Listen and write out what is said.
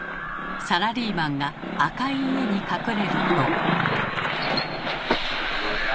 サラリーマンが赤い家に隠れると。